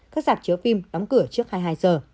các giạc chứa phim đóng cửa trước hai mươi hai giờ